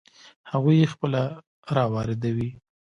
هغوی یې خپله را واردوي.